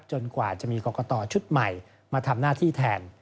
กว่าจะมีกรกตชุดใหม่มาทำหน้าที่แทน